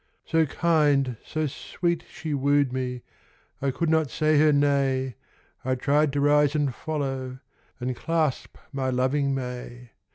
So kind, so sweet she wooed me, I could not say her nay; I tried to rise and follow, And clasp my loving may.